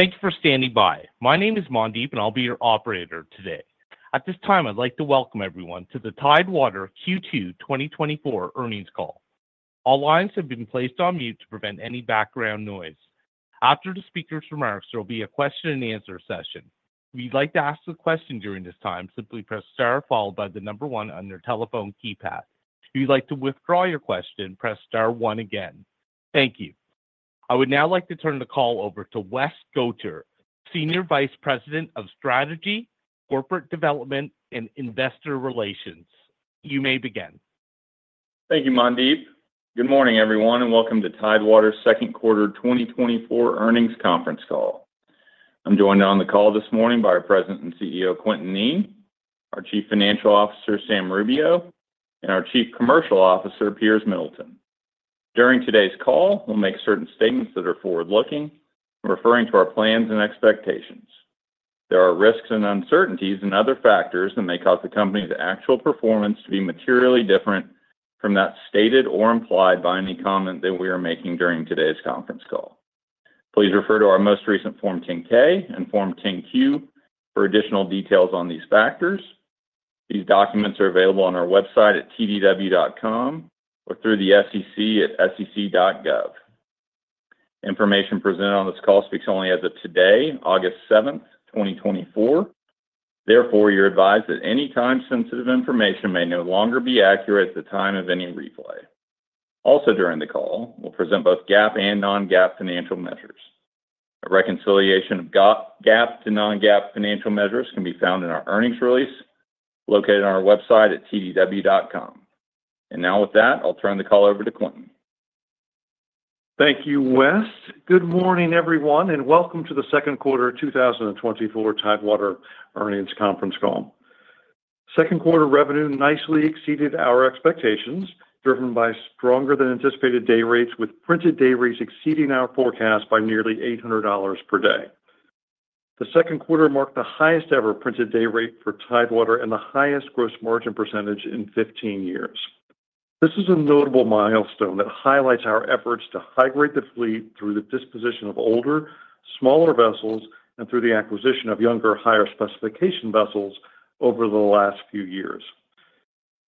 Thank you for standing by. My name is Mandeep, and I'll be your operator today. At this time, I'd like to welcome everyone to the Tidewater Q2 2024 earnings call. All lines have been placed on mute to prevent any background noise. After the speaker's remarks, there will be a question-and-answer session. If you'd like to ask a question during this time, simply press star followed by the number 1 on your telephone keypad. If you'd like to withdraw your question, press star 1 again. Thank you. I would now like to turn the call over to Wes Gotcher, Senior Vice President of Strategy, Corporate Development, and Investor Relations. You may begin. Thank you, Mandeep. Good morning, everyone, and welcome to Tidewater's second quarter 2024 earnings conference call. I'm joined on the call this morning by our President and CEO, Quentin Kneen, our Chief Financial Officer, Sam Rubio, and our Chief Commercial Officer, Piers Middleton. During today's call, we'll make certain statements that are forward-looking, referring to our plans and expectations. There are risks and uncertainties and other factors that may cause the company's actual performance to be materially different from that stated or implied by any comment that we are making during today's conference call. Please refer to our most recent Form 10-K and Form 10-Q for additional details on these factors. These documents are available on our website at tdw.com or through the SEC at sec.gov. Information presented on this call speaks only as of today, August 7, 2024. Therefore, you're advised that any time-sensitive information may no longer be accurate at the time of any replay. Also, during the call, we'll present both GAAP and non-GAAP financial measures. A reconciliation of GAAP to non-GAAP financial measures can be found in our earnings release located on our website at tdw.com. And now with that, I'll turn the call over to Quentin. Thank you, Wes. Good morning, everyone, and welcome to the second quarter of 2024 Tidewater Earnings Conference Call. Second quarter revenue nicely exceeded our expectations, driven by stronger than anticipated dayrates, with printed dayrates exceeding our forecast by nearly $800 per day. The second quarter marked the highest ever printed dayrate for Tidewater and the highest gross margin percentage in 15 years. This is a notable milestone that highlights our efforts to high-grade the fleet through the disposition of older, smaller vessels and through the acquisition of younger, higher specification vessels over the last few years.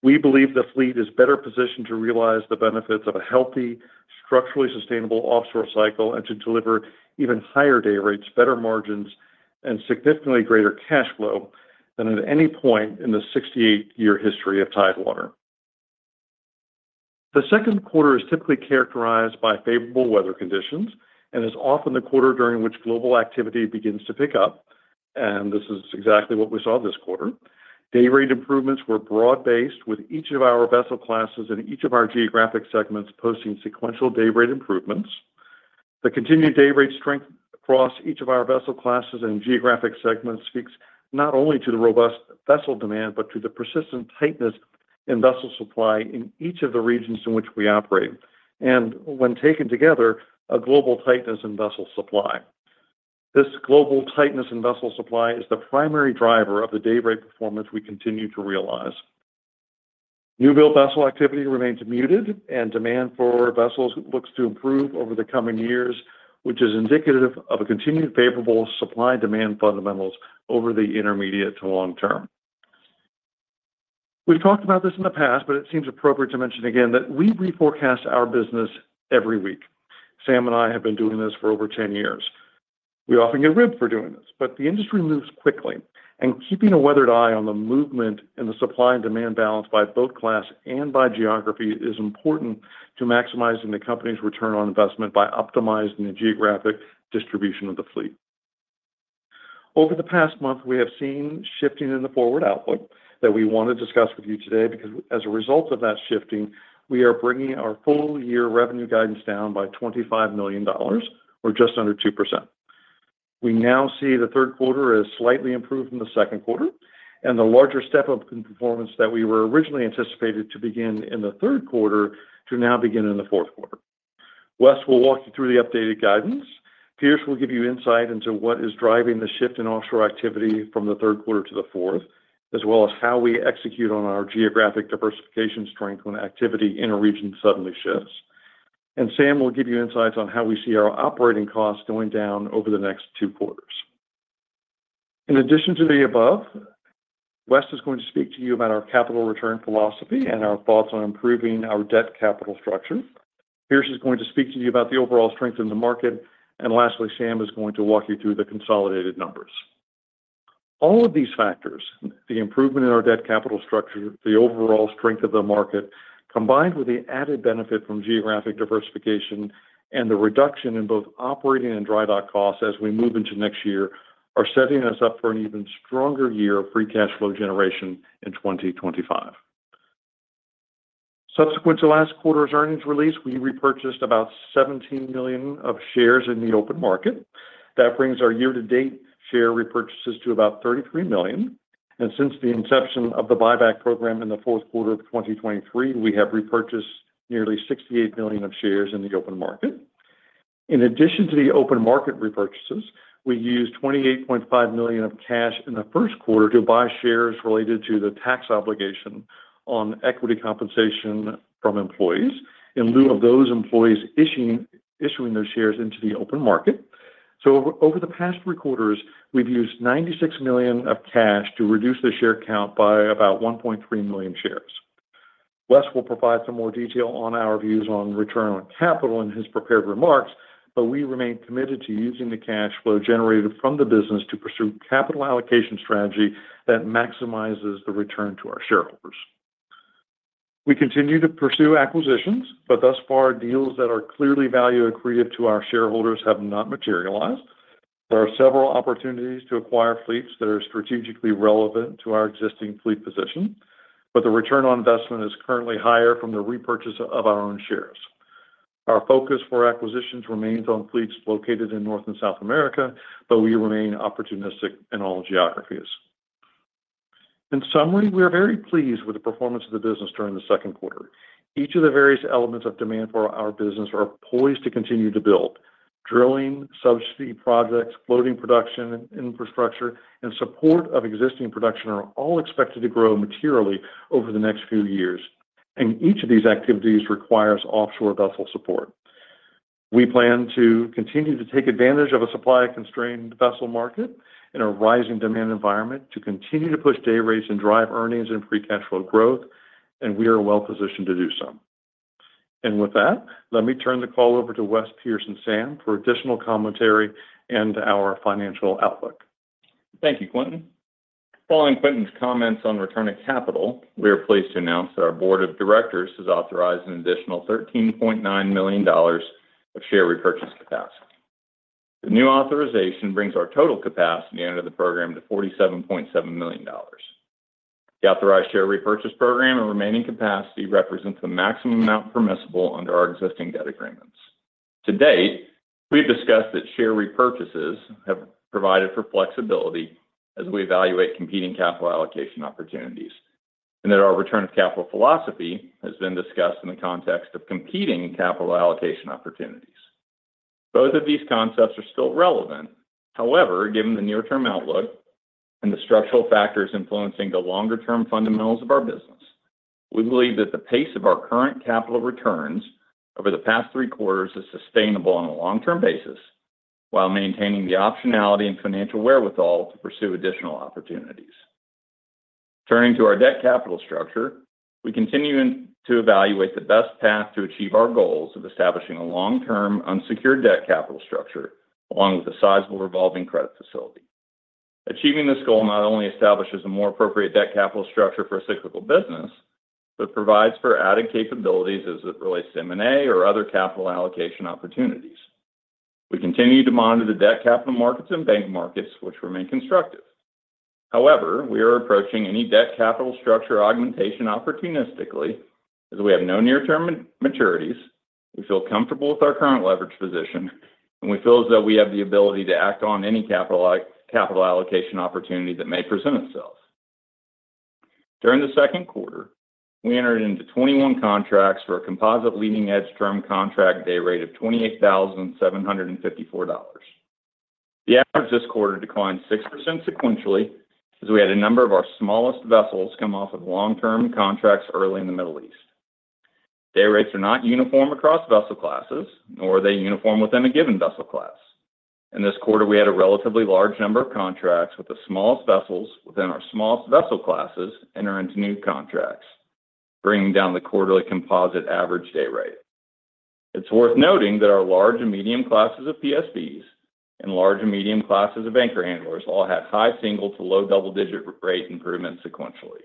We believe the fleet is better positioned to realize the benefits of a healthy, structurally sustainable offshore cycle and to deliver even higher dayrates, better margins, and significantly greater cash flow than at any point in the 68-year history of Tidewater. The second quarter is typically characterized by favorable weather conditions and is often the quarter during which global activity begins to pick up, and this is exactly what we saw this quarter. Dayrate improvements were broad-based, with each of our vessel classes in each of our geographic segments posting sequential dayrate improvements. The continued dayrate strength across each of our vessel classes and geographic segments speaks not only to the robust vessel demand, but to the persistent tightness in vessel supply in each of the regions in which we operate, and when taken together, a global tightness in vessel supply. This global tightness in vessel supply is the primary driver of the dayrate performance we continue to realize. New build vessel activity remains muted, and demand for vessels looks to improve over the coming years, which is indicative of a continued favorable supply-demand fundamentals over the intermediate to long term. We've talked about this in the past, but it seems appropriate to mention again that we reforecast our business every week. Sam and I have been doing this for over 10 years. We often get ribbed for doing this, but the industry moves quickly, and keeping a weathered eye on the movement and the supply and demand balance by both class and by geography is important to maximizing the company's return on investment by optimizing the geographic distribution of the fleet. Over the past month, we have seen shifting in the forward outlook that we want to discuss with you today, because as a result of that shifting, we are bringing our full year revenue guidance down by $25 million, or just under 2%. We now see the third quarter as slightly improved from the second quarter and the larger step-up in performance that we were originally anticipated to begin in the third quarter to now begin in the fourth quarter. Wes will walk you through the updated guidance. Piers will give you insight into what is driving the shift in offshore activity from the third quarter to the fourth, as well as how we execute on our geographic diversification strength when activity in a region suddenly shifts. Sam will give you insights on how we see our operating costs going down over the next two quarters. In addition to the above, Wes is going to speak to you about our capital return philosophy and our thoughts on improving our debt capital structure. Piers is going to speak to you about the overall strength in the market. Lastly, Sam is going to walk you through the consolidated numbers. All of these factors, the improvement in our debt capital structure, the overall strength of the market, combined with the added benefit from geographic diversification and the reduction in both operating and dry dock costs as we move into next year, are setting us up for an even stronger year of free cash flow generation in 2025. Subsequent to last quarter's earnings release, we repurchased about 17 million of shares in the open market. That brings our year-to-date share repurchases to about 33 million. Since the inception of the buyback program in the fourth quarter of 2023, we have repurchased nearly 68 million of shares in the open market. In addition to the open market repurchases, we used $28.5 million of cash in the first quarter to buy shares related to the tax obligation on equity compensation from employees. In lieu of those employees issuing those shares into the open market. So over the past 3 quarters, we've used $96 million of cash to reduce the share count by about 1.3 million shares. Wes will provide some more detail on our views on return on capital in his prepared remarks, but we remain committed to using the cash flow generated from the business to pursue capital allocation strategy that maximizes the return to our shareholders. We continue to pursue acquisitions, but thus far, deals that are clearly value accretive to our shareholders have not materialized. There are several opportunities to acquire fleets that are strategically relevant to our existing fleet position, but the return on investment is currently higher from the repurchase of our own shares. Our focus for acquisitions remains on fleets located in North and South America, but we remain opportunistic in all geographies. In summary, we are very pleased with the performance of the business during the second quarter. Each of the various elements of demand for our business are poised to continue to build. Drilling, subsea projects, floating production, infrastructure, and support of existing production are all expected to grow materially over the next few years, and each of these activities requires offshore vessel support. We plan to continue to take advantage of a supply-constrained vessel market and a rising demand environment to continue to push day rates and drive earnings and free cash flow growth, and we are well positioned to do so. With that, let me turn the call over to Wes Gotcher and Sam Rubio for additional commentary and our financial outlook. Thank you, Quentin. Following Quentin's comments on return of capital, we are pleased to announce that our board of directors has authorized an additional $13.9 million of share repurchase capacity. The new authorization brings our total capacity under the program to $47.7 million. The authorized share repurchase program and remaining capacity represents the maximum amount permissible under our existing debt agreements. To date, we have discussed that share repurchases have provided for flexibility as we evaluate competing capital allocation opportunities, and that our return of capital philosophy has been discussed in the context of competing capital allocation opportunities. Both of these concepts are still relevant. However, given the near-term outlook and the structural factors influencing the longer-term fundamentals of our business, we believe that the pace of our current capital returns over the past three quarters is sustainable on a long-term basis, while maintaining the optionality and financial wherewithal to pursue additional opportunities. Turning to our debt capital structure, we continue to evaluate the best path to achieve our goals of establishing a long-term unsecured debt capital structure, along with a sizable revolving credit facility. Achieving this goal not only establishes a more appropriate debt capital structure for a cyclical business, but provides for added capabilities as it relates to M&A or other capital allocation opportunities. We continue to monitor the debt capital markets and bank markets, which remain constructive. However, we are approaching any debt capital structure augmentation opportunistically, as we have no near-term maturities, we feel comfortable with our current leverage position, and we feel as though we have the ability to act on any capital allocation opportunity that may present itself. During the second quarter, we entered into 21 contracts for a composite leading edge term contract day rate of $28,754. The average this quarter declined 6% sequentially, as we had a number of our smallest vessels come off of long-term contracts early in the Middle East. Day rates are not uniform across vessel classes, nor are they uniform within a given vessel class. In this quarter, we had a relatively large number of contracts with the smallest vessels within our smallest vessel classes enter into new contracts, bringing down the quarterly composite average day rate. It's worth noting that our large and medium classes of PSVs and large and medium classes of anchor handlers all had high single-digit to low double-digit rate improvement sequentially.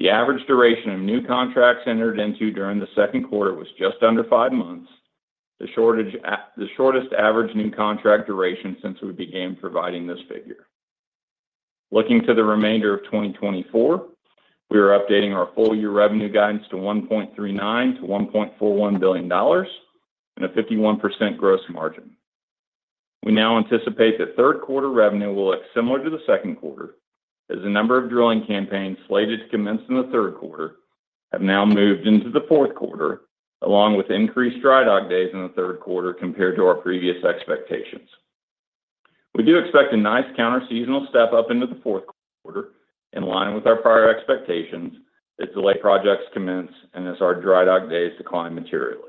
The average duration of new contracts entered into during the second quarter was just under 5 months, the shortest average new contract duration since we began providing this figure. Looking to the remainder of 2024, we are updating our full year revenue guidance to $1.39-$1.41 billion and a 51% gross margin. We now anticipate that third quarter revenue will look similar to the second quarter, as the number of drilling campaigns slated to commence in the third quarter have now moved into the fourth quarter, along with increased dry dock days in the third quarter compared to our previous expectations. We do expect a nice counterseasonal step up into the fourth quarter, in line with our prior expectations, as delayed projects commence and as our dry dock days decline materially.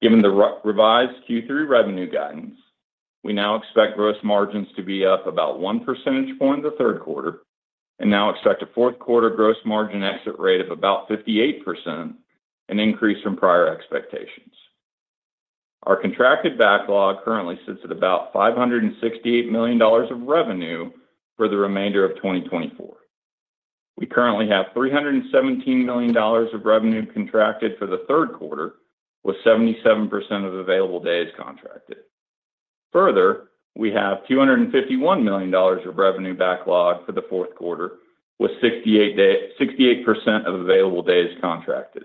Given the our revised Q3 revenue guidance, we now expect gross margins to be up about one percentage point in the third quarter, and now expect a fourth quarter gross margin exit rate of about 58%, an increase from prior expectations. Our contracted backlog currently sits at about $568 million of revenue for the remainder of 2024. We currently have $317 million of revenue contracted for the third quarter, with 77% of available days contracted. Further, we have $251 million of revenue backlog for the fourth quarter, with 68% of available days contracted.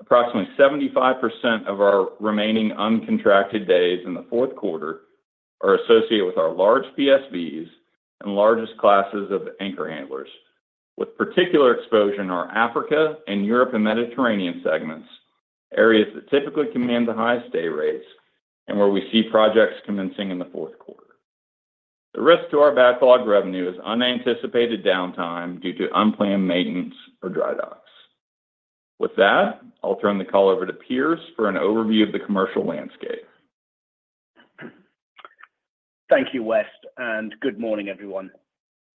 Approximately 75% of our remaining uncontracted days in the fourth quarter are associated with our large PSVs and largest classes of anchor handlers, with particular exposure in our Africa and Europe and Mediterranean segments, areas that typically command the highest day rates and where we see projects commencing in the fourth quarter. The risk to our backlog revenue is unanticipated downtime due to unplanned maintenance or dry docks. With that, I'll turn the call over to Piers for an overview of the commercial landscape. Thank you, Wes, and good morning, everyone.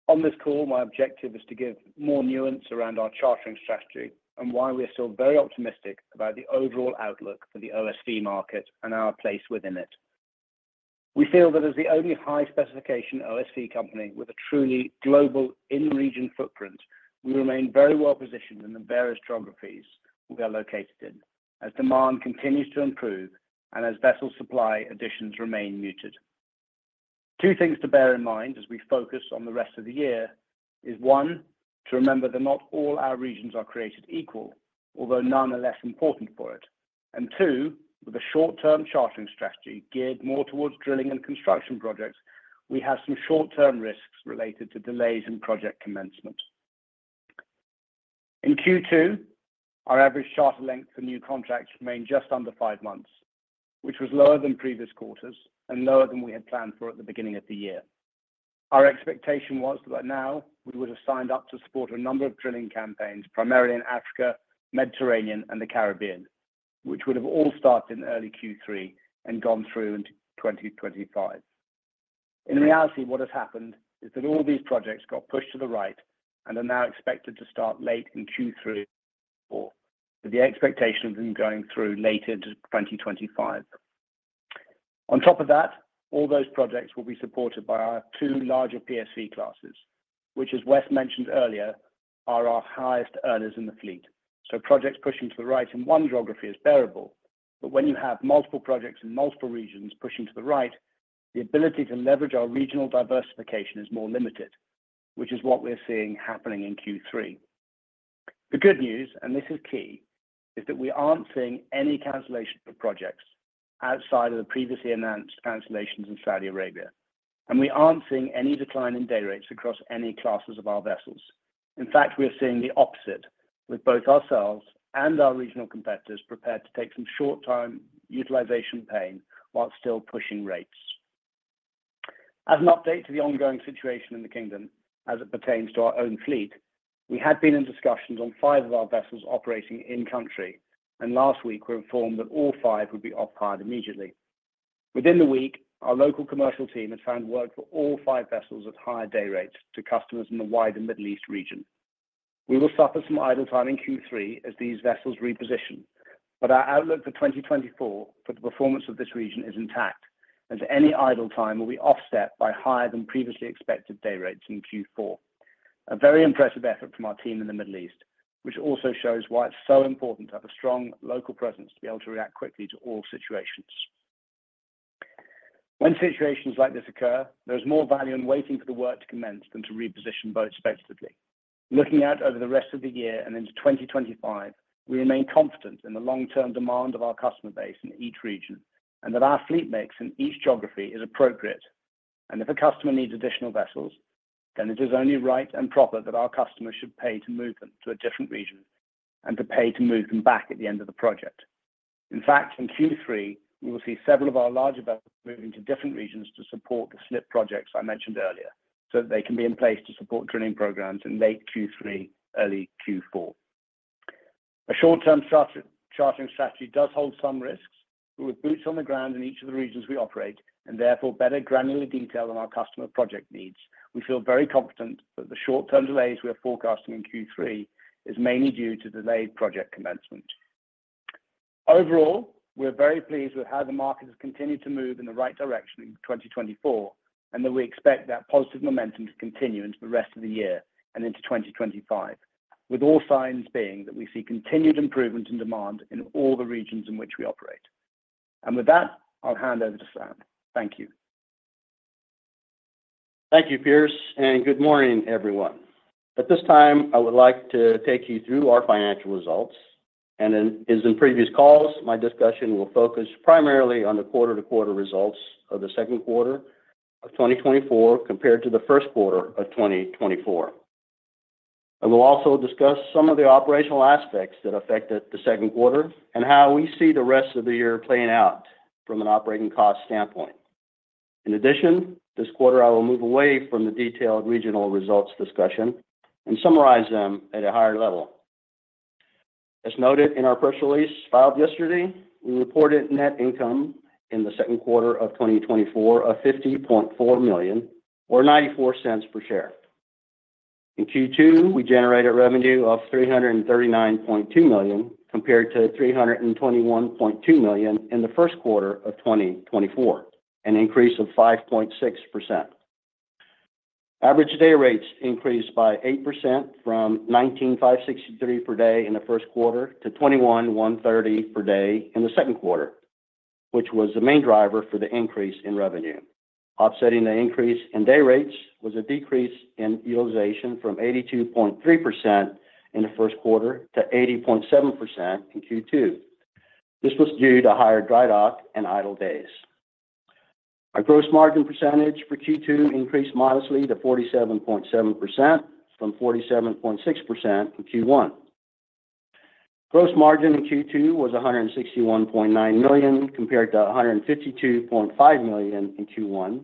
On this call, my objective is to give more nuance around our chartering strategy and why we are still very optimistic about the overall outlook for the OSV market and our place within it. We feel that as the only high specification OSV company with a truly global in-region footprint, we remain very well positioned in the various geographies we are located in, as demand continues to improve and as vessel supply additions remain muted. Two things to bear in mind as we focus on the rest of the year is, one, to remember that not all our regions are created equal, although none are less important for it, and two, with a short-term chartering strategy geared more towards drilling and construction projects, we have some short-term risks related to delays in project commencement. In Q2, our average charter length for new contracts remained just under five months, which was lower than previous quarters and lower than we had planned for at the beginning of the year. Our expectation was that by now, we would have signed up to support a number of drilling campaigns, primarily in Africa, Mediterranean, and the Caribbean, which would have all started in early Q3 and gone through into 2025. In reality, what has happened is that all these projects got pushed to the right and are now expected to start late in Q3/4, with the expectation of them going through later into 2025. On top of that, all those projects will be supported by our two larger PSV classes, which, as Wes mentioned earlier, are our highest earners in the fleet. So projects pushing to the right in one geography is bearable, but when you have multiple projects in multiple regions pushing to the right, the ability to leverage our regional diversification is more limited, which is what we're seeing happening in Q3. The good news, and this is key, is that we aren't seeing any cancellation of projects outside of the previously announced cancellations in Saudi Arabia, and we aren't seeing any decline in day rates across any classes of our vessels. In fact, we are seeing the opposite, with both ourselves and our regional competitors prepared to take some short-term utilization pain while still pushing rates. As an update to the ongoing situation in the Kingdom as it pertains to our own fleet, we had been in discussions on 5 of our vessels operating in country, and last week, we were informed that all 5 would be off-hired immediately. Within the week, our local commercial team had found work for all five vessels at higher day rates to customers in the wider Middle East region. We will suffer some idle time in Q3 as these vessels reposition, but our outlook for 2024 for the performance of this region is intact, and any idle time will be offset by higher than previously expected day rates in Q4. A very impressive effort from our team in the Middle East, which also shows why it's so important to have a strong local presence to be able to react quickly to all situations. When situations like this occur, there is more value in waiting for the work to commence than to reposition both respectively. Looking out over the rest of the year and into 2025, we remain confident in the long-term demand of our customer base in each region and that our fleet mix in each geography is appropriate. If a customer needs additional vessels, then it is only right and proper that our customers should pay to move them to a different region and to pay to move them back at the end of the project. In fact, in Q3, we will see several of our larger vessels moving to different regions to support the slip projects I mentioned earlier, so that they can be in place to support drilling programs in late Q3, early Q4. A short-term charter, chartering strategy does hold some risks, but with boots on the ground in each of the regions we operate, and therefore better granular detail on our customer project needs, we feel very confident that the short-term delays we are forecasting in Q3 is mainly due to delayed project commencement. Overall, we're very pleased with how the market has continued to move in the right direction in 2024, and that we expect that positive momentum to continue into the rest of the year and into 2025, with all signs being that we see continued improvement in demand in all the regions in which we operate. And with that, I'll hand over to Sam. Thank you. Thank you, Piers, and good morning, everyone. At this time, I would like to take you through our financial results, and then as in previous calls, my discussion will focus primarily on the quarter-to-quarter results of the second quarter of 2024, compared to the first quarter of 2024. I will also discuss some of the operational aspects that affected the second quarter and how we see the rest of the year playing out from an operating cost standpoint. In addition, this quarter, I will move away from the detailed regional results discussion and summarize them at a higher level. As noted in our press release filed yesterday, we reported net income in the second quarter of 2024 of $50.4 million or $0.94 per share. In Q2, we generated revenue of $339.2 million, compared to $321.2 million in the first quarter of 2024, an increase of 5.6%. Average day rates increased by 8% from 19,563 per day in the first quarter to 21,130 per day in the second quarter, which was the main driver for the increase in revenue. Offsetting the increase in day rates was a decrease in utilization from 82.3% in the first quarter to 80.7% in Q2. This was due to higher dry dock and idle days. Our gross margin percentage for Q2 increased modestly to 47.7% from 47.6% in Q1.... Gross margin in Q2 was $161.9 million, compared to $152.5 million in Q1.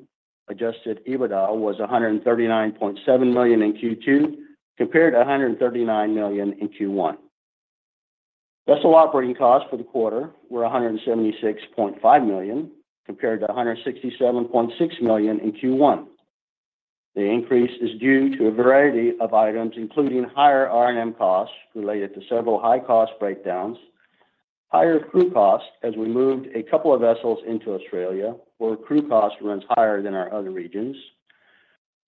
Adjusted EBITDA was $139.7 million in Q2, compared to $139 million in Q1. Vessel operating costs for the quarter were $176.5 million, compared to $167.6 million in Q1. The increase is due to a variety of items, including higher R&M costs related to several high-cost breakdowns, higher crew costs as we moved a couple of vessels into Australia, where crew cost runs higher than our other regions.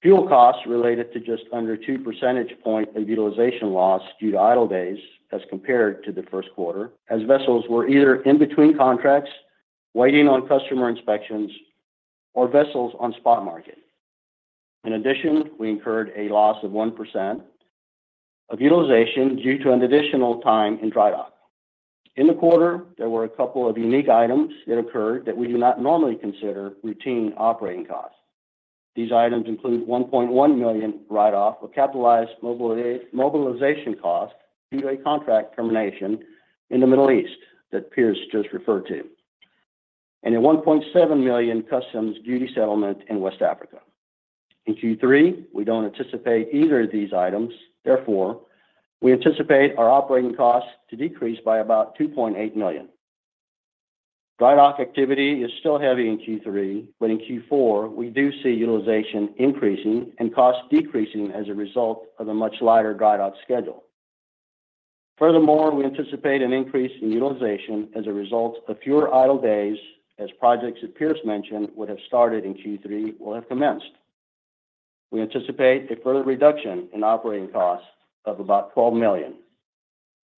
Fuel costs related to just under two percentage points of utilization loss due to idle days as compared to the first quarter, as vessels were either in between contracts, waiting on customer inspections, or vessels on spot market. In addition, we incurred a loss of 1% of utilization due to an additional time in dry dock. In the quarter, there were a couple of unique items that occurred that we do not normally consider routine operating costs. These items include $1.1 million write-off of capitalized mobilization costs due to a contract termination in the Middle East that Piers just referred to, and a $1.7 million customs duty settlement in West Africa. In Q3, we don't anticipate either of these items. Therefore, we anticipate our operating costs to decrease by about $2.8 million. Dry dock activity is still heavy in Q3, but in Q4, we do see utilization increasing and costs decreasing as a result of a much lighter dry dock schedule. Furthermore, we anticipate an increase in utilization as a result of fewer idle days, as projects that Piers mentioned would have started in Q3 will have commenced. We anticipate a further reduction in operating costs of about $12 million.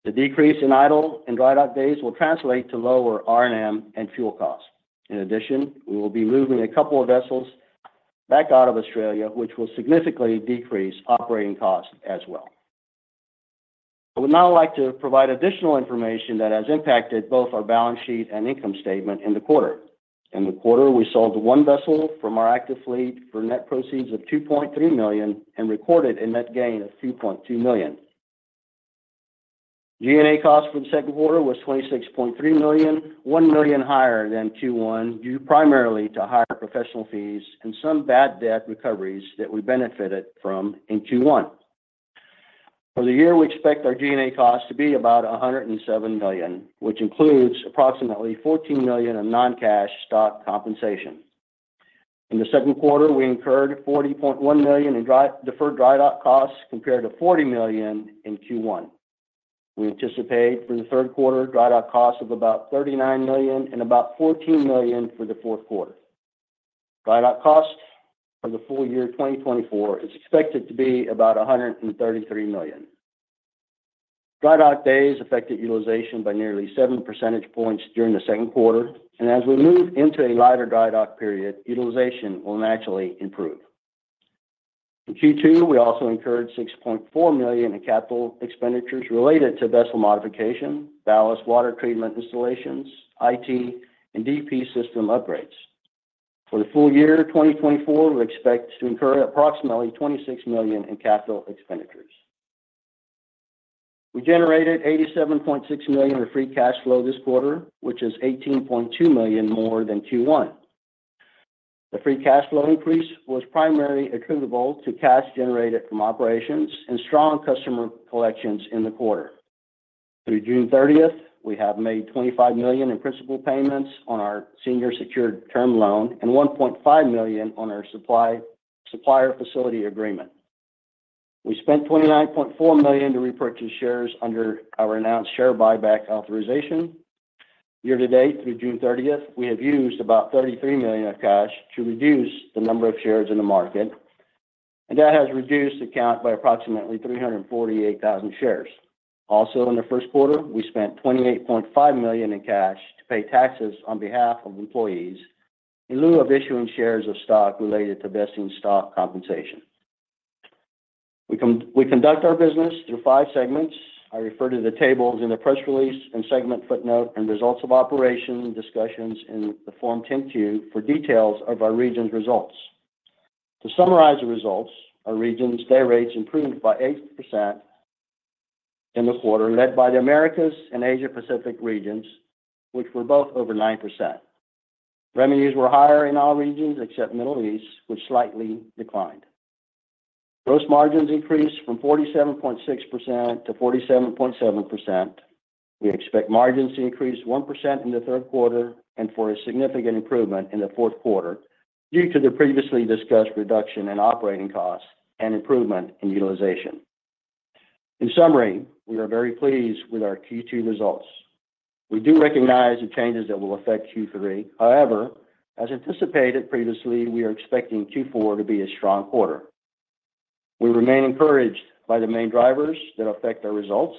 The decrease in idle and dry dock days will translate to lower R&M and fuel costs. In addition, we will be moving a couple of vessels back out of Australia, which will significantly decrease operating costs as well. I would now like to provide additional information that has impacted both our balance sheet and income statement in the quarter. In the quarter, we sold one vessel from our active fleet for net proceeds of $2.3 million and recorded a net gain of $2.2 million. G&A costs for the second quarter was $26.3 million, $1 million higher than Q1, due primarily to higher professional fees and some bad debt recoveries that we benefited from in Q1. For the year, we expect our G&A costs to be about $107 million, which includes approximately $14 million in non-cash stock compensation. In the second quarter, we incurred $40.1 million in deferred dry dock costs, compared to $40 million in Q1. We anticipate for the third quarter, dry dock costs of about $39 million and about $14 million for the fourth quarter. Dry dock costs for the full year 2024 is expected to be about $133 million. Dry dock days affected utilization by nearly 7 percentage points during the second quarter, and as we move into a lighter dry dock period, utilization will naturally improve. In Q2, we also incurred $6.4 million in capital expenditures related to vessel modification, ballast water treatment installations, IT, and DP system upgrades. For the full year 2024, we expect to incur approximately $26 million in capital expenditures. We generated $87.6 million in free cash flow this quarter, which is $18.2 million more than Q1. The free cash flow increase was primarily attributable to cash generated from operations and strong customer collections in the quarter. Through June 30, we have made $25 million in principal payments on our senior secured term loan and $1.5 million on our supplier facility agreement. We spent $29.4 million to repurchase shares under our announced share buyback authorization. Year to date, through June 30, we have used about $33 million of cash to reduce the number of shares in the market, and that has reduced the count by approximately 348,000 shares. Also, in the first quarter, we spent $28.5 million in cash to pay taxes on behalf of employees in lieu of issuing shares of stock related to vesting stock compensation. We conduct our business through five segments. I refer to the tables in the press release and segment footnote and results of operation discussions in the Form 10-Q for details of our regions' results. To summarize the results, our regions' dayrates improved by 8% in the quarter, led by the Americas and Asia Pacific regions, which were both over 9%. Revenues were higher in all regions except Middle East, which slightly declined. Gross margins increased from 47.6% to 47.7%. We expect margins to increase 1% in the third quarter and for a significant improvement in the fourth quarter due to the previously discussed reduction in operating costs and improvement in utilization. In summary, we are very pleased with our Q2 results. We do recognize the changes that will affect Q3. However, as anticipated previously, we are expecting Q4 to be a strong quarter. We remain encouraged by the main drivers that affect our results.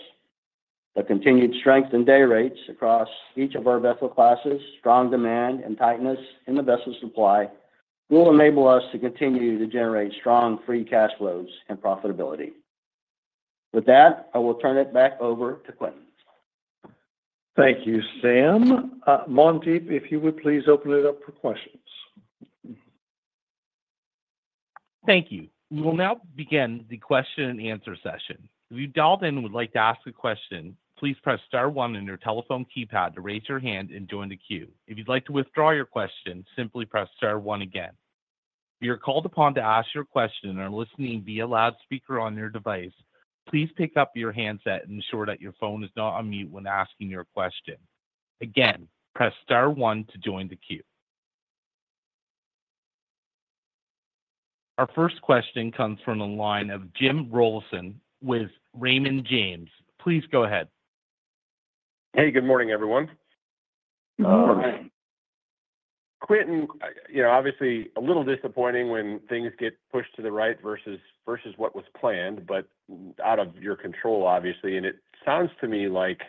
The continued strength in dayrates across each of our vessel classes, strong demand, and tightness in the vessel supply will enable us to continue to generate strong free cash flows and profitability. With that, I will turn it back over to Quintin. Thank you, Sam. Mandeep, if you would please open it up for questions. Thank you. We will now begin the question and answer session. If you dialed in and would like to ask a question, please press star one on your telephone keypad to raise your hand and join the queue. If you'd like to withdraw your question, simply press star one again. If you're called upon to ask your question and are listening via loudspeaker on your device, please pick up your handset and ensure that your phone is not on mute when asking your question. Again, press star one to join the queue. Our first question comes from the line of Jim Rollyson with Raymond James. Please go ahead. Hey, good morning, everyone. Good morning. Quentin, you know, obviously a little disappointing when things get pushed to the right versus, versus what was planned, but out of your control, obviously. And it sounds to me like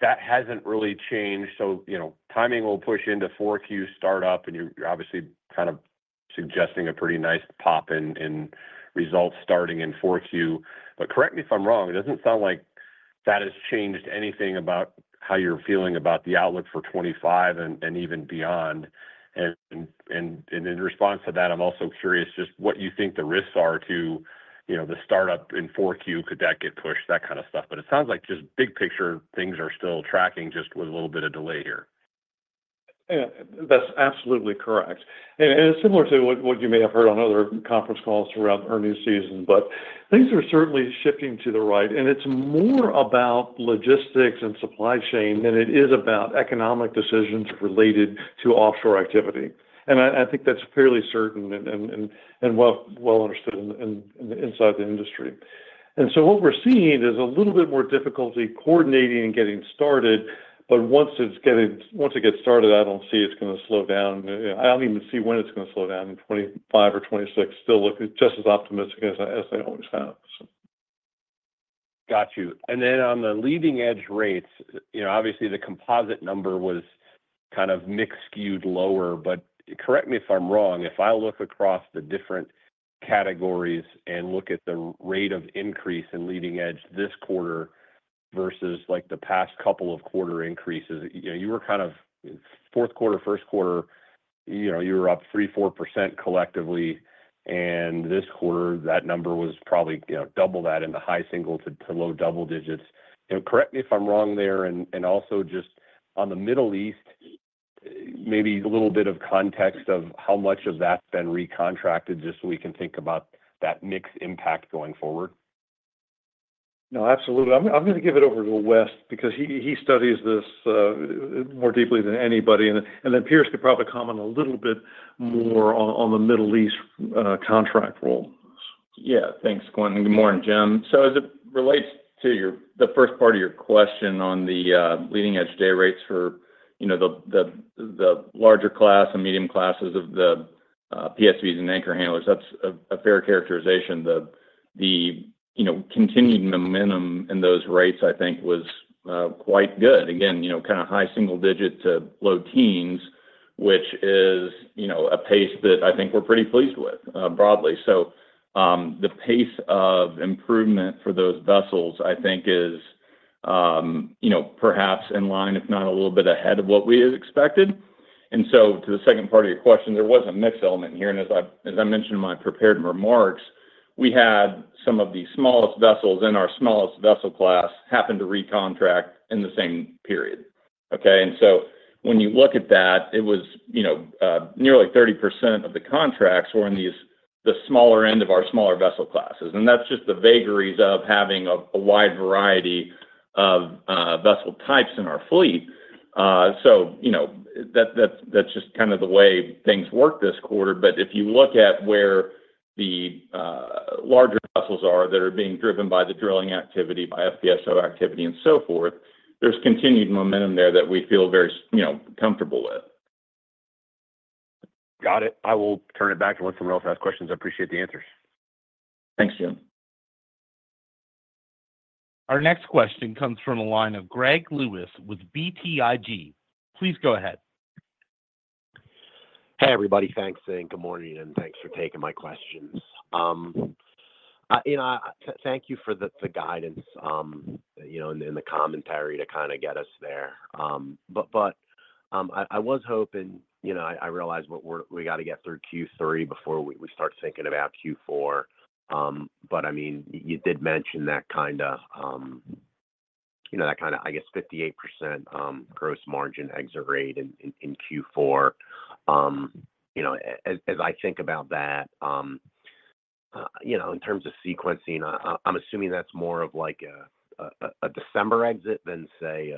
that hasn't really changed. So, you know, timing will push into 4Q startup, and you're obviously kind of suggesting a pretty nice pop in results starting in 4Q. But correct me if I'm wrong, it doesn't sound like that has changed anything about how you're feeling about the outlook for 2025 and even beyond. And in response to that, I'm also curious just what you think the risks are to, you know, the startup in 4Q. Could that get pushed? That kind of stuff. But it sounds like just big picture things are still tracking, just with a little bit of delay here. Yeah, that's absolutely correct. And similar to what you may have heard on other conference calls throughout the earnings season, but things are certainly shifting to the right, and it's more about logistics and supply chain than it is about economic decisions related to offshore activity. And I think that's fairly certain and well understood inside the industry. And so what we're seeing is a little bit more difficulty coordinating and getting started, but once it gets started, I don't see it's gonna slow down. I don't even see when it's gonna slow down, in 2025 or 2026, still look just as optimistic as I always have. Got you. And then on the leading-edge rates, you know, obviously the composite number was kind of mixed, skewed lower, but correct me if I'm wrong, if I look across the different categories and look at the rate of increase in leading edge this quarter versus, like, the past couple of quarter increases, you know, you were kind of fourth quarter, first quarter, you know, you were up 3%-4% collectively, and this quarter, that number was probably, you know, double that in the high single- to low double-digit. You know, correct me if I'm wrong there. And, and also just on the Middle East, maybe a little bit of context of how much of that's been recontracted, just so we can think about that mix impact going forward. No, absolutely. I'm gonna give it over to Wes because he studies this more deeply than anybody, and then Piers could probably comment a little bit more on the Middle East contract roll. Yeah. Thanks, Quintin, and good morning, Jim. So as it relates to your... the first part of your question on the leading-edge day rates for, you know, the, the, the larger class and medium classes of the PSVs and anchor handlers, that's a fair characterization. The, the, you know, continued momentum in those rates, I think, was quite good. Again, you know, kind of high single digit to low teens, which is, you know, a pace that I think we're pretty pleased with broadly. So the pace of improvement for those vessels, I think, is, you know, perhaps in line, if not a little bit ahead of what we had expected. And so to the second part of your question, there was a mix element here, and as I mentioned in my prepared remarks, we had some of the smallest vessels in our smallest vessel class happen to recontract in the same period, okay? And so when you look at that, it was, you know, nearly 30% of the contracts were in these the smaller end of our smaller vessel classes, and that's just the vagaries of having a wide variety of vessel types in our fleet. So, you know, that's just kind of the way things worked this quarter. But if you look at where the larger vessels are that are being driven by the drilling activity, by FPSO activity, and so forth, there's continued momentum there that we feel very, you know, comfortable with. Got it. I will turn it back and let someone else ask questions. I appreciate the answers. Thanks, Jim. Our next question comes from the line of Greg Lewis with BTIG. Please go ahead. Hey, everybody, thanks, and good morning, and thanks for taking my questions. You know, thank you for the, the guidance, you know, and the commentary to kind of get us there. But, but, I was hoping... You know, I realize what we're- we got to get through Q3 before we start thinking about Q4. But I mean, you did mention that kind of, you know, that kind of, I guess, 58% gross margin exit rate in Q4. You know, as I think about that, you know, in terms of sequencing, I'm assuming that's more of like a December exit than, say,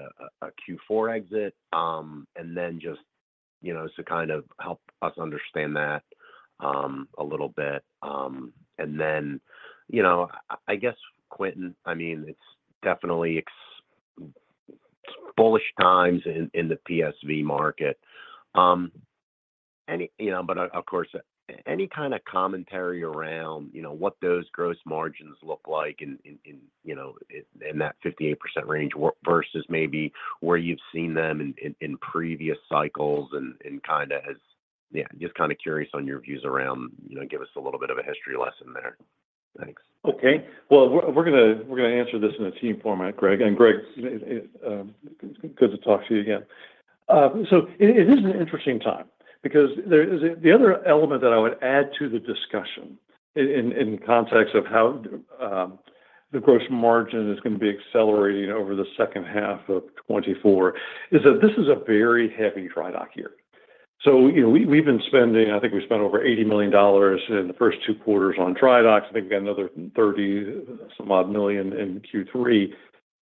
a Q4 exit. And then just, you know, so kind of help us understand that a little bit. And then, you know, I guess, Quentin, I mean, it's definitely exceptionally bullish times in the PSV market. Any... You know, but of course, any kind of commentary around, you know, what those gross margins look like in, you know, in that 58% range, versus maybe where you've seen them in previous cycles and kind of has... Yeah, just kind of curious on your views around, you know, give us a little bit of a history lesson there. Thanks. Okay, well, we're gonna answer this in a team format, Greg. And Greg, good to talk to you again. So it is an interesting time because there is, the other element that I would add to the discussion in context of how the gross margin is gonna be accelerating over the second half of 2024, is that this is a very heavy dry dock year. So, you know, we've been spending. I think we spent over $80 million in the first two quarters on dry docks, I think another $30-some-odd million in Q3.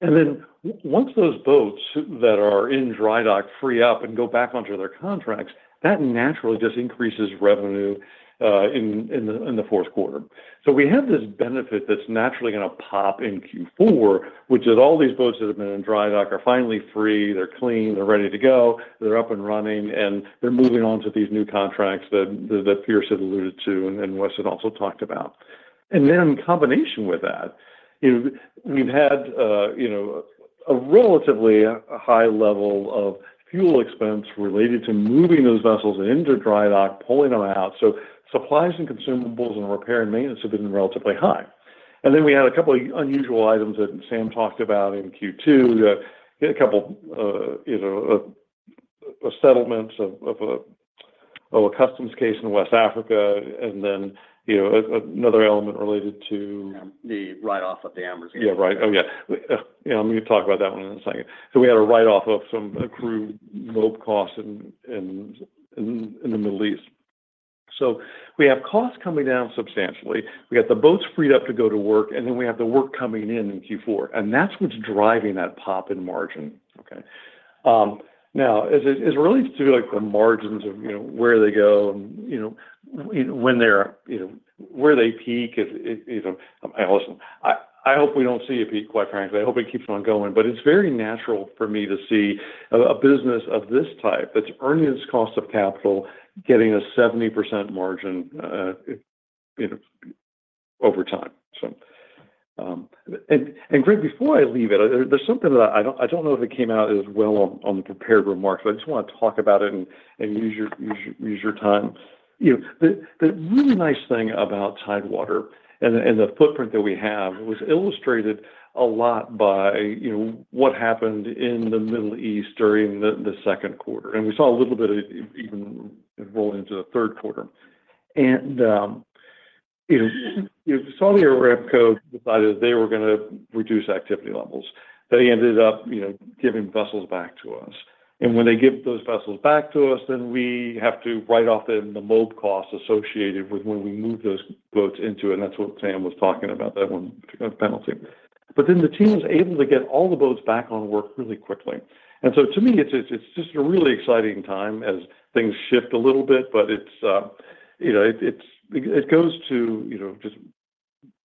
And then once those boats that are in dry dock free up and go back onto their contracts, that naturally just increases revenue in the fourth quarter. So we have this benefit that's naturally gonna pop in Q4, which is all these boats that have been in dry dock are finally free, they're clean, they're ready to go, they're up and running, and they're moving on to these new contracts that Piers had alluded to and Wes had also talked about. And then in combination with that, you know, we've had, you know, a relatively high level of fuel expense related to moving those vessels into dry dock, pulling them out. So supplies and consumables and repair and maintenance have been relatively high. And then we had a couple of unusual items that Sam talked about in Q2, a settlement of a customs case in West Africa, and then, you know, another element related to- The write-off of the amortized costs. Yeah, right. Oh, yeah. Yeah, I'm gonna talk about that one in a second. So we had a write-off of some accrued mob costs in the Middle East. So we have costs coming down substantially. We got the boats freed up to go to work, and then we have the work coming in in Q4, and that's what's driving that pop in margin, okay? Now, as it is related to, like, the margins of, you know, where they go and, you know, when they're, you know, where they peak, it you know, listen, I hope we don't see a peak, quite frankly. I hope it keeps on going. But it's very natural for me to see a business of this type that's earning its cost of capital, getting a 70% margin, you know, over time. So... And Greg, before I leave it, there's something that I don't know if it came out as well on the prepared remarks, but I just want to talk about it and use your time. You know, the really nice thing about Tidewater and the footprint that we have was illustrated a lot by what happened in the Middle East during the second quarter. And we saw a little bit of it even roll into the third quarter. And you know, Saudi Aramco decided they were gonna reduce activity levels. They ended up giving vessels back to us. And when they give those vessels back to us, then we have to write off then the mob costs associated with when we move those boats into it, and that's what Sam was talking about, that one penalty. But then the team was able to get all the boats back on work really quickly. And so to me, it's just a really exciting time as things shift a little bit. But it's, you know, it goes to, you know, just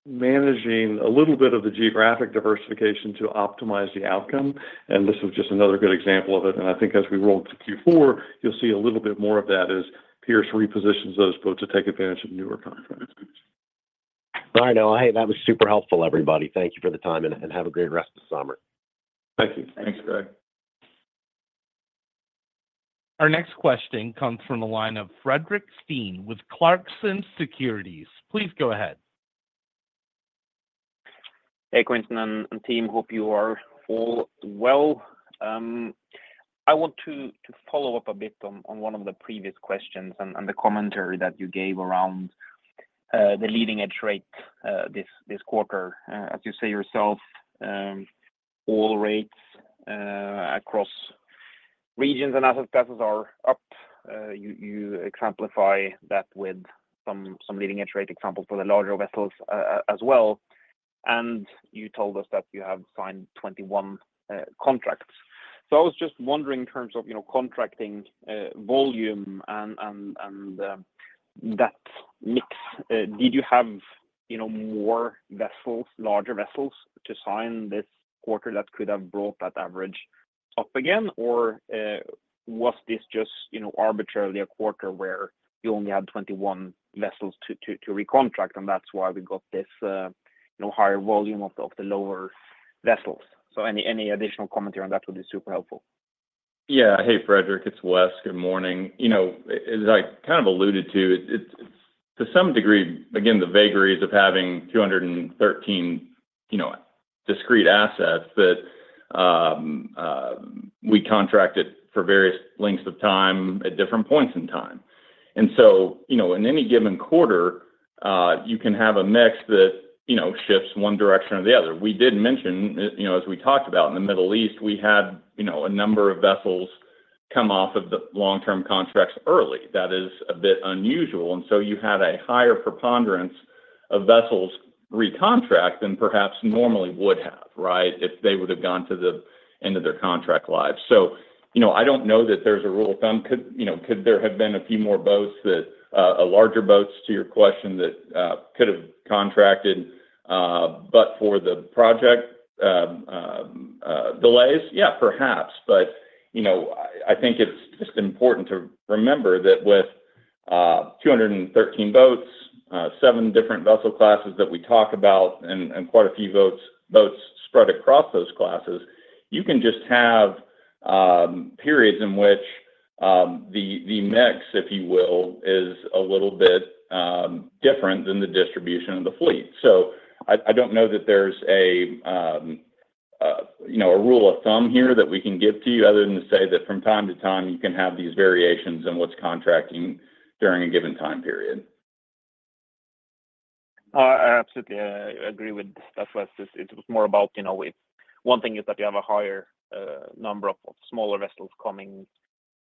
managing a little bit of the geographic diversification to optimize the outcome, and this is just another good example of it. And I think as we roll to Q4, you'll see a little bit more of that as Piers repositions those boats to take advantage of newer contracts. All right, Noah. Hey, that was super helpful, everybody. Thank you for the time, and have a great rest of the summer. Thank you. Thanks, Greg. Our next question comes from the line of Fredrik Stene with Clarksons Securities. Please go ahead. Hey, Quentin and team. Hope you are all well. I want to follow up a bit on one of the previous questions and the commentary that you gave around the leading edge rate this quarter. As you say yourself, all rates across regions and asset classes are up. You exemplify that with some leading edge rate examples for the larger vessels as well, and you told us that you have signed 21 contracts. So I was just wondering in terms of, you know, contracting volume and that mix, did you have, you know, more vessels, larger vessels to sign this quarter that could have brought that average up again? Or, was this just, you know, arbitrarily a quarter where you only had 21 vessels to recontract, and that's why we got this, you know, higher volume of the lower vessels? So any additional commentary on that would be super helpful. Yeah. Hey, Fredrik, it's Wes. Good morning. You know, as I kind of alluded to, it's, it's to some degree, again, the vagaries of having 213, you know, discrete assets that, we contracted for various lengths of time at different points in time. And so, you know, in any given quarter, you can have a mix that, you know, shifts one direction or the other. We did mention, you know, as we talked about in the Middle East, we had, you know, a number of vessels come off of the long-term contracts early. That is a bit unusual, and so you had a higher preponderance of vessels recontract than perhaps normally would have, right, if they would have gone to the end of their contract lives. So, you know, I don't know that there's a rule of thumb. Could, you know, could there have been a few more boats that a larger boats, to your question, that could have contracted but for the project delays? Yeah, perhaps, but, you know, I think it's just important to remember that with 213 boats, seven different vessel classes that we talk about and quite a few boats spread across those classes, you can just have periods in which- the mix, if you will, is a little bit different than the distribution of the fleet. So I don't know that there's, you know, a rule of thumb here that we can give to you other than to say that from time to time, you can have these variations in what's contracting during a given time period. I absolutely agree with that. That's what it was more about, you know, if one thing is that you have a higher number of smaller vessels coming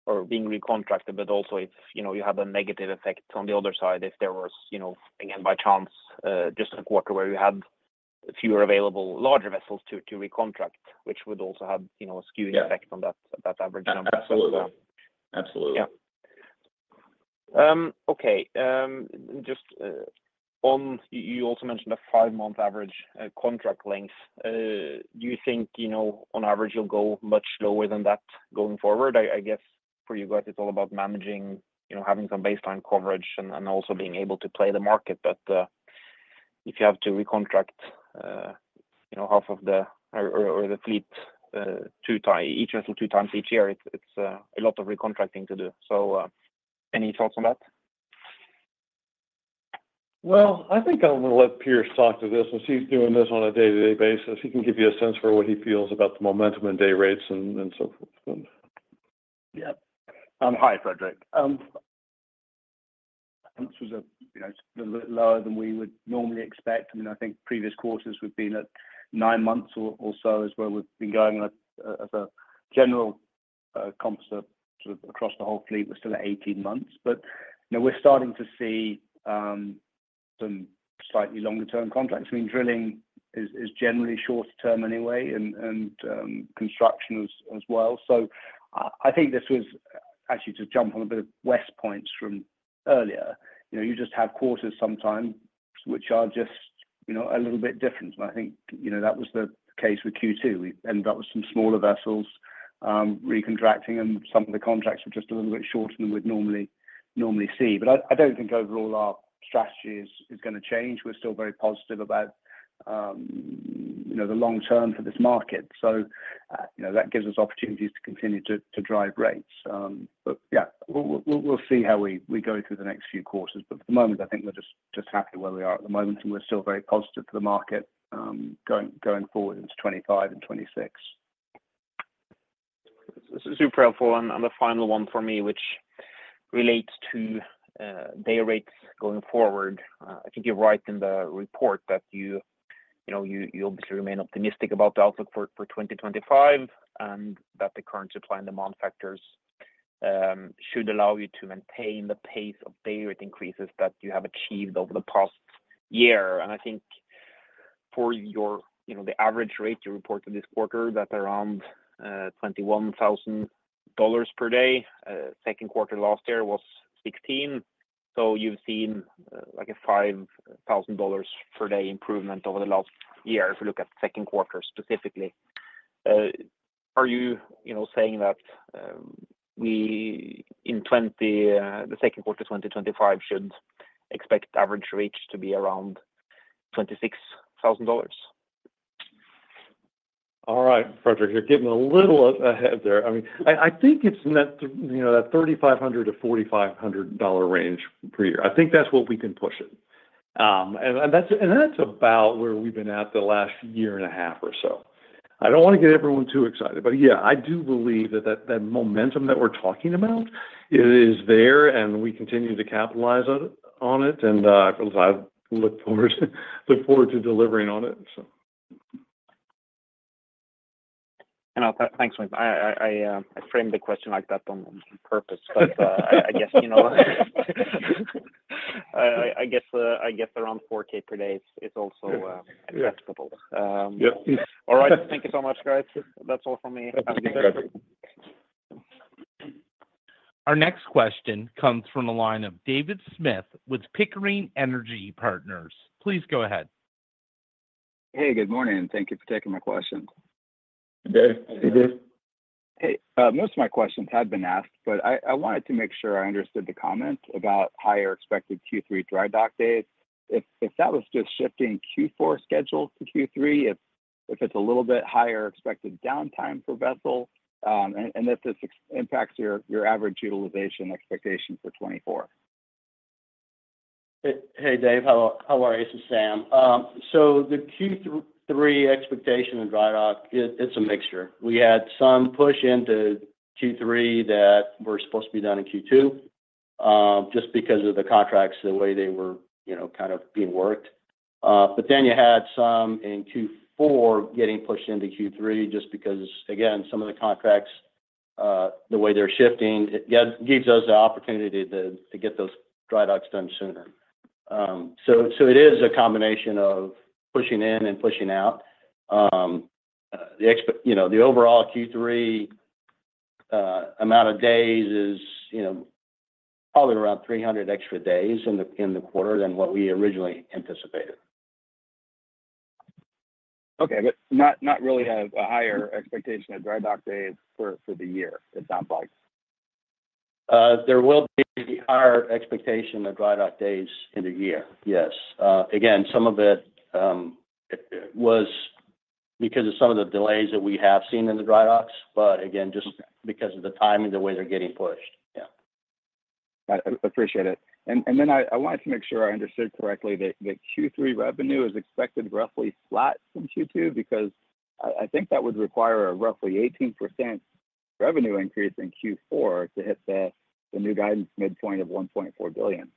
or being recontracted, but also if, you know, you have a negative effect on the other side, if there was, you know, again, by chance, just a quarter where you had fewer available larger vessels to recontract, which would also have, you know, a skewing- Yeah... effect on that, that average number. Absolutely. Absolutely. Yeah. Okay, just on... You also mentioned a five-month average contract length. Do you think, you know, on average you'll go much lower than that going forward? I guess for you guys, it's all about managing, you know, having some baseline coverage and also being able to play the market. But if you have to recontract, you know, half of the fleet, each vessel two times each year, it's a lot of recontracting to do. So any thoughts on that? Well, I think I'm gonna let Piers talk to this, as he's doing this on a day-to-day basis. He can give you a sense for what he feels about the momentum and day rates and so forth. Yeah. Hi, Fredrik. This was a, you know, a little lower than we would normally expect. I mean, I think previous quarters we've been at nine months or, or so as well. We've been going as a, as a general, composite sort of across the whole fleet. We're still at eighteen months, but, you know, we're starting to see some slightly longer term contracts. I mean, drilling is, is generally short term anyway, and, and, construction as, as well. So I think this was actually to jump on a bit of Wes' points from earlier. You know, you just have quarters sometimes, which are just, you know, a little bit different. And I think, you know, that was the case with Q2. We ended up with some smaller vessels, recontracting, and some of the contracts were just a little bit shorter than we'd normally see. But I don't think overall our strategy is gonna change. We're still very positive about, you know, the long term for this market. So, you know, that gives us opportunities to continue to drive rates. But yeah, we'll see how we go through the next few quarters, but at the moment, I think we're just happy where we are at the moment, and we're still very positive for the market, going forward into 2025 and 2026. This is super helpful. The final one for me, which relates to day rates going forward. I think you're right in the report that you know, you obviously remain optimistic about the outlook for 2025, and that the current supply and demand factors should allow you to maintain the pace of day rate increases that you have achieved over the past year. I think for your, you know, the average rate you reported this quarter, that's around $21,000 per day. Second quarter last year was $16,000. So you've seen, like a $5,000 per day improvement over the last year, if you look at the second quarter specifically. Are you, you know, saying that in 2025, the second quarter 2025, should expect average rates to be around $26,000? All right, Fredrik, you're getting a little ahead there. I mean, I think it's in that, you know, that $3,500-$4,500 range per year. I think that's what we can push it. And that's about where we've been at the last year and a half or so. I don't want to get everyone too excited, but yeah, I do believe that momentum that we're talking about, it is there, and we continue to capitalize on it, and I look forward to delivering on it, so. And, thanks. I framed the question like that on purpose, but I guess, you know, I guess around 4K per day is also. Yeah acceptable. Yep. All right. Thank you so much, guys. That's all for me. Thank you. Our next question comes from the line of David Smith with Pickering Energy Partners. Please go ahead. Hey, good morning, and thank you for taking my question. Hey, Dave. Hey, Dave. Hey, most of my questions have been asked, but I wanted to make sure I understood the comment about higher expected Q3 dry dock days. If that was just shifting Q4 schedule to Q3, if it's a little bit higher expected downtime for vessel, and if this impacts your average utilization expectations for 2024. Hey, Dave, how are you? This is Sam. So the Q3 expectation in Dry Dock, it's a mixture. We had some push into Q3 that were supposed to be done in Q2, just because of the contracts, the way they were, you know, kind of being worked. But then you had some in Q4 getting pushed into Q3 just because, again, some of the contracts, the way they're shifting, it gives us the opportunity to get those Dry Docks done sooner. So it is a combination of pushing in and pushing out. You know, the overall Q3 amount of days is, you know, probably around 300 extra days in the quarter than what we originally anticipated. Okay. But not really a higher expectation of dry dock days for the year, it sounds like. There will be higher expectation of dry dock days in the year. Yes. Again, some of it because of some of the delays that we have seen in the dry docks, but again, just because of the timing, the way they're getting pushed. Yeah. I appreciate it. And then I wanted to make sure I understood correctly that Q3 revenue is expected roughly flat from Q2, because I think that would require a roughly 18% revenue increase in Q4 to hit the new guidance midpoint of $1.4 billion.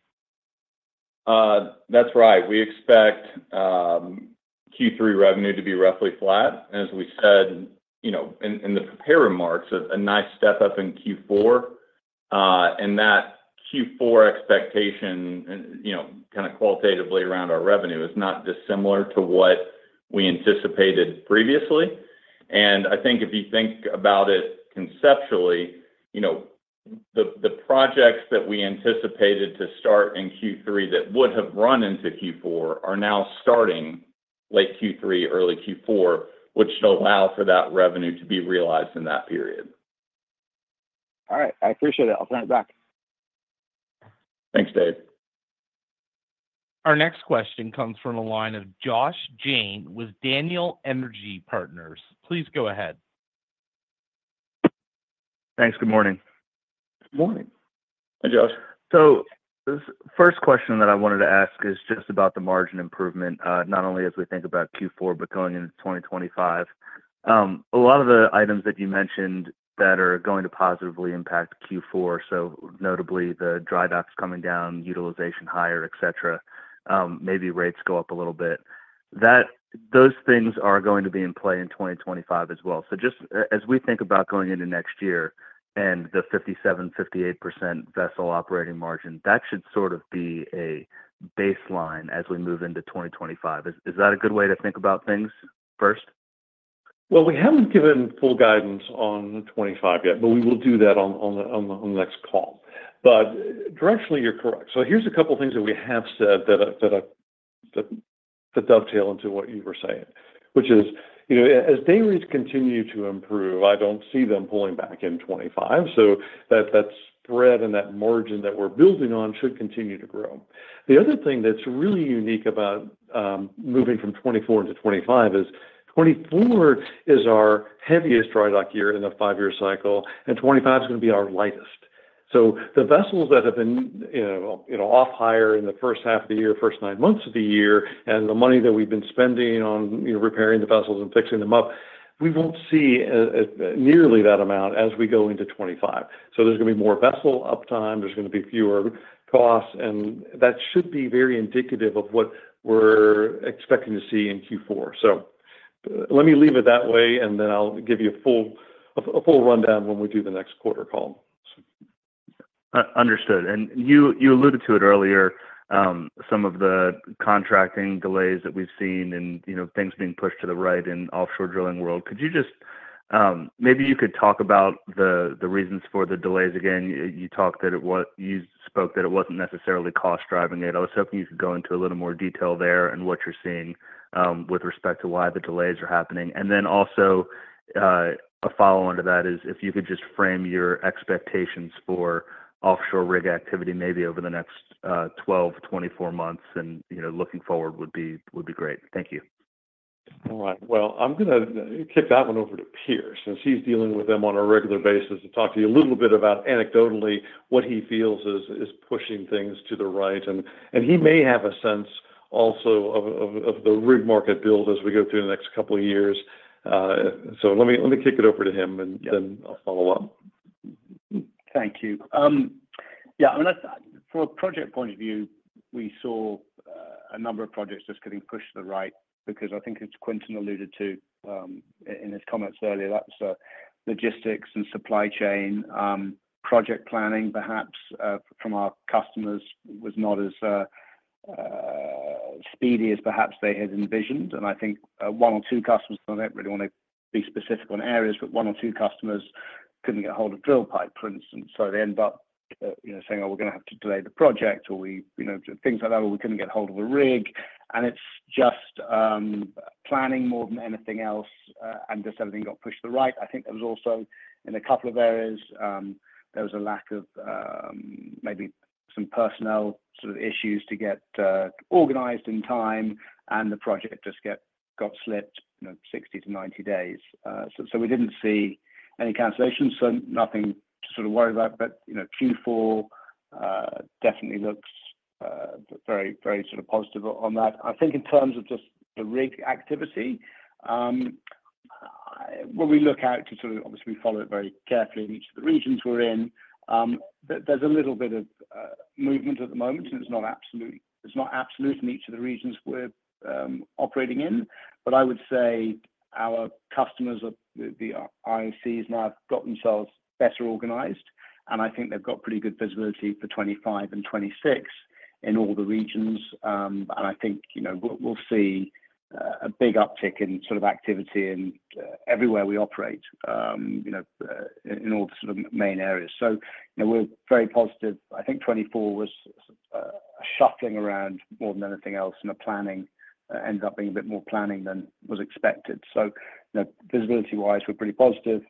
That's right. We expect Q3 revenue to be roughly flat. As we said, you know, in the prepared remarks, a nice step up in Q4. That Q4 expectation, you know, kinda qualitatively around our revenue, is not dissimilar to what we anticipated previously. I think if you think about it conceptually, you know, the projects that we anticipated to start in Q3 that would have run into Q4 are now starting late Q3, early Q4, which should allow for that revenue to be realized in that period. All right. I appreciate it. I'll turn it back. Thanks, Dave. Our next question comes from the line of Josh Jayne with Daniel Energy Partners. Please go ahead. Thanks. Good morning. Good morning. Hi, Josh. So the first question that I wanted to ask is just about the margin improvement, not only as we think about Q4, but going into 2025. A lot of the items that you mentioned that are going to positively impact Q4, so notably the dry docks coming down, utilization higher, et cetera, maybe rates go up a little bit, those things are going to be in play in 2025 as well. So as we think about going into next year and the 57%-58% vessel operating margin, that should sort of be a baseline as we move into 2025. Is that a good way to think about things first? Well, we haven't given full guidance on 2025 yet, but we will do that on the next call. But directionally, you're correct. So here's a couple of things that we have said that dovetail into what you were saying, which is, you know, as day rates continue to improve, I don't see them pulling back in 2025, so that spread and that margin that we're building on should continue to grow. The other thing that's really unique about moving from 2024 into 2025 is 2024 is our heaviest dry dock year in a five-year cycle, and 2025 is gonna be our lightest. So the vessels that have been, you know, you know, off hire in the first half of the year, first nine months of the year, and the money that we've been spending on, you know, repairing the vessels and fixing them up, we won't see nearly that amount as we go into 2025. So there's gonna be more vessel uptime, there's gonna be fewer costs, and that should be very indicative of what we're expecting to see in Q4. So let me leave it that way, and then I'll give you a full rundown when we do the next quarter call. Understood. And you, you alluded to it earlier, some of the contracting delays that we've seen and, you know, things being pushed to the right in offshore drilling world. Could you just, maybe you could talk about the, the reasons for the delays again. You talked that it was. You spoke that it wasn't necessarily cost driving it. I was hoping you could go into a little more detail there and what you're seeing, with respect to why the delays are happening. And then also, a follow-on to that is if you could just frame your expectations for offshore rig activity, maybe over the next, 12-24 months, and, you know, looking forward would be, would be great. Thank you. All right. Well, I'm gonna kick that one over to Piers, since he's dealing with them on a regular basis, to talk to you a little bit about anecdotally what he feels is pushing things to the right. And he may have a sense also of the rig market build as we go through the next couple of years. So let me kick it over to him, and then- Yeah I'll follow up. Thank you. Yeah, I mean, that's from a project point of view, we saw a number of projects just getting pushed to the right because I think as Quentin alluded to, in his comments earlier, that's logistics and supply chain, project planning, perhaps, from our customers, was not as speedy as perhaps they had envisioned. And I think, one or two customers, I don't really want to be specific on areas, but one or two customers couldn't get a hold of drill pipe, for instance. So they end up, you know, saying, "Oh, we're gonna have to delay the project," or we, you know, things like that, or we couldn't get a hold of a rig. And it's just, planning more than anything else, and just everything got pushed to the right. I think there was also in a couple of areas, there was a lack of, maybe some personnel sort of issues to get organized in time, and the project just got slipped, you know, 60-90 days. So we didn't see any cancellations, so nothing to sort of worry about. But you know, Q4 definitely looks very, very sort of positive on that. I think in terms of just the rig activity, when we look out to sort of, obviously, we follow it very carefully in each of the regions we're in, there's a little bit of movement at the moment, and it's not absolute. It's not absolute in each of the regions we're operating in. But I would say our customers, the IOCs now have got themselves better organized, and I think they've got pretty good visibility for 25 and 2026 in all the regions. And I think, you know, we'll see a big uptick in sort of activity in everywhere we operate, you know, in all the sort of main areas. So, you know, we're very positive. I think 2024 was shuffling around more than anything else, and the planning ended up being a bit more planning than was expected. So, you know, visibility-wise, we're pretty positive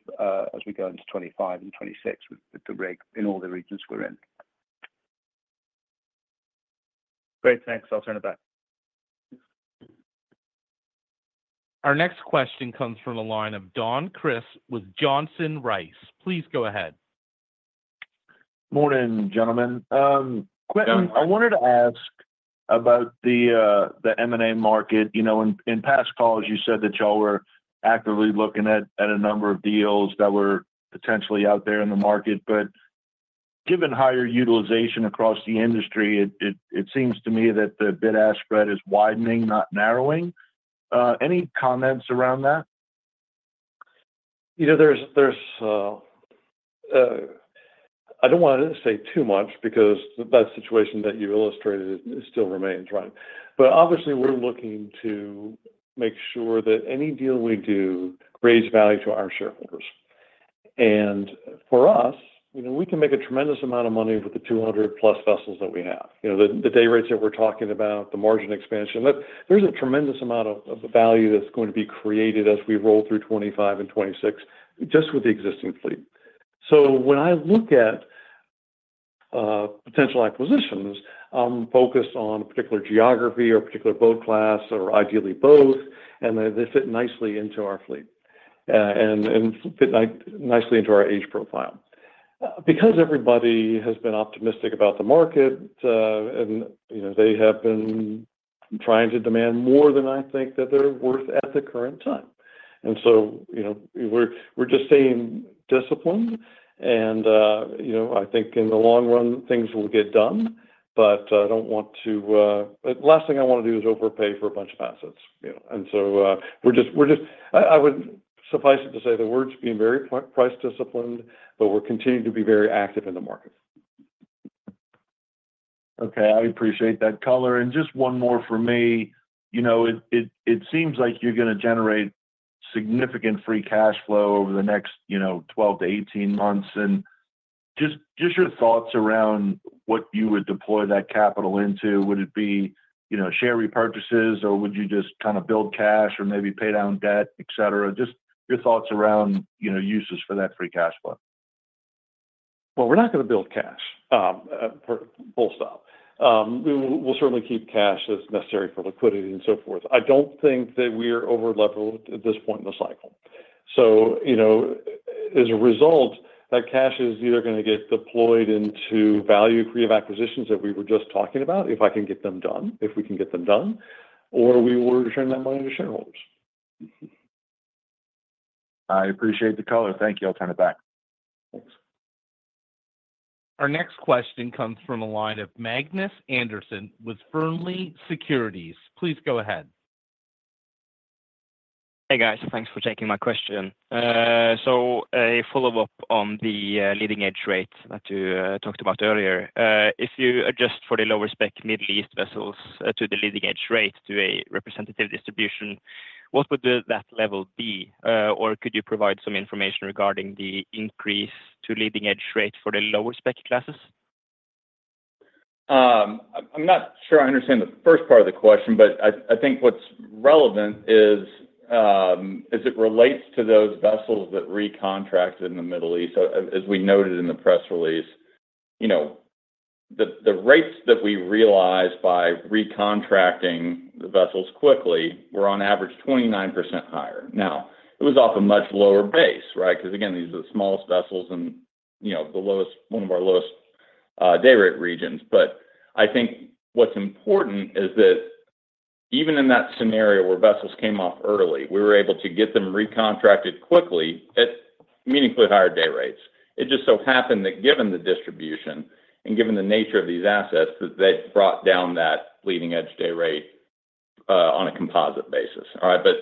as we go into 25 and 2026 with the rig in all the regions we're in. Great, thanks. I'll turn it back. Our next question comes from the line of Don Crist with Johnson Rice. Please go ahead. Morning, gentlemen. Quentin, I wanted to ask about the M&A market. You know, in past calls, you said that y'all were actively looking at a number of deals that were potentially out there in the market. But given higher utilization across the industry, it seems to me that the bid-ask spread is widening, not narrowing. Any comments around that? You know, there's I don't want to say too much because the best situation that you illustrated still remains right. But obviously, we're looking to make sure that any deal we do creates value to our shareholders. And for us, you know, we can make a tremendous amount of money with the 200+ vessels that we have. You know, the day rates that we're talking about, the margin expansion, that there's a tremendous amount of value that's going to be created as we roll through 2025 and 2026, just with the existing fleet. So when I look at potential acquisitions, I'm focused on a particular geography or particular boat class or ideally both, and they fit nicely into our fleet, and fit nicely into our age profile. Because everybody has been optimistic about the market, and, you know, they have been trying to demand more than I think that they're worth at the current time. And so, you know, we're just staying disciplined, and, you know, I think in the long run, things will get done. But I don't want to. The last thing I want to do is overpay for a bunch of assets, you know? And so, we're just. I would suffice it to say that we're being very price disciplined, but we're continuing to be very active in the market. Okay, I appreciate that color. And just one more for me. You know, it seems like you're gonna generate significant free cash flow over the next, you know, 12-18 months, and just your thoughts around what you would deploy that capital into. Would it be, you know, share repurchases, or would you just kind of build cash or maybe pay down debt, et cetera? Just your thoughts around, you know, uses for that free cash flow. Well, we're not gonna build cash, full stop. We'll certainly keep cash as necessary for liquidity and so forth. I don't think that we're over-leveraged at this point in the cycle. So, you know, as a result, that cash is either gonna get deployed into value creative acquisitions that we were just talking about, if I can get them done, if we can get them done, or we will return that money to shareholders. I appreciate the color. Thank you. I'll turn it back. Thanks. Our next question comes from a line of Magnus Øye Andersen with Fearnley Securities. Please go ahead. Hey, guys. Thanks for taking my question. So a follow-up on the leading edge rate that you talked about earlier. If you adjust for the lower spec Middle East vessels to the leading edge rate to a representative distribution, what would that level be? Or could you provide some information regarding the increase to leading edge rate for the lower spec classes? I'm not sure I understand the first part of the question, but I think what's relevant is, as it relates to those vessels that recontracted in the Middle East. So as we noted in the press release, you know, the rates that we realized by recontracting the vessels quickly were on average 29% higher. Now, it was off a much lower base, right? Because, again, these are the smallest vessels and, you know, the lowest- one of our lowest, day rate regions. But I think what's important is that even in that scenario where vessels came off early, we were able to get them recontracted quickly at meaningfully higher day rates. It just so happened that given the distribution and given the nature of these assets, that they brought down that leading edge day rate, on a composite basis. All right? But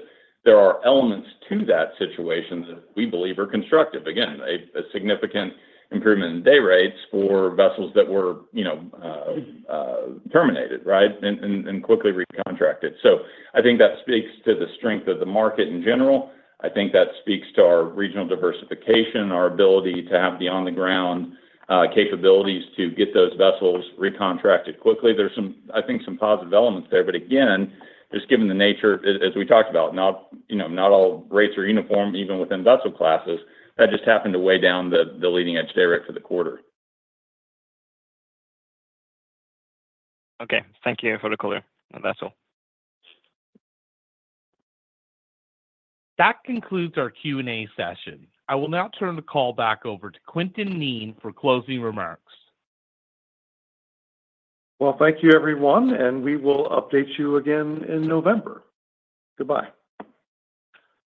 there are elements to that situation that we believe are constructive. Again, a significant improvement in day rates for vessels that were, you know, terminated, right, and quickly recontracted. So I think that speaks to the strength of the market in general. I think that speaks to our regional diversification, our ability to have the on-the-ground capabilities to get those vessels recontracted quickly. There's some, I think, some positive elements there. But again, just given the nature, as we talked about, not, you know, not all rates are uniform, even within vessel classes. That just happened to weigh down the leading edge day rate for the quarter. Okay. Thank you for the color on vessel. That concludes our Q&A session. I will now turn the call back over to Quentin Kneen for closing remarks. Well, thank you, everyone, and we will update you again in November. Goodbye.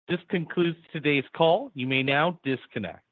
This concludes today's call. You may now disconnect.